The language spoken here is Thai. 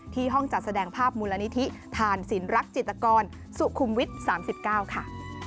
ที่ห้องจัดแสดงภาพมูลนิธิทานศิลป์รักษ์จิตกรสุขุมวิท๓๙ค่ะ